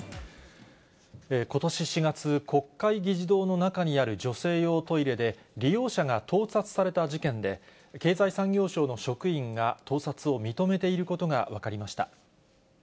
ことし４月、国会議事堂の中にある女性用トイレで、利用者が盗撮された事件で、経済産業省の職員が盗撮を認めていることが分かりました。